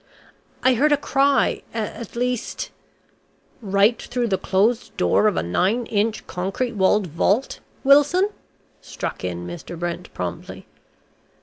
"I heard a cry at least " "Right through the closed door of a nine inch concrete walled vault, Wilson?" struck in Mr. Brent promptly.